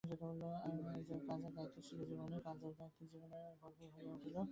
কাজ আর দায়িত্ব ছিল জীবনে, কাজ আর দায়িত্বের জীবনটা আবার ভরপুর হইয়া উঠিল।